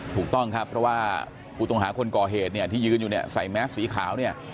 ถูกต้องครับเพราะว่าผู้ต้องหาคนกอเหตุสายแมสสีขาว